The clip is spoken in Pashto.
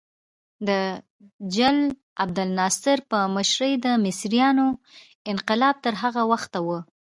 د جل عبدالناصر په مشرۍ د مصریانو انقلاب تر هغه وخته و.